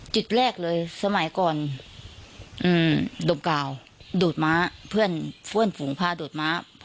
จุดแรกเลยสมัยก่อนดมกล่าวโดดม้าเพื่อนฝูงพาดูดม้า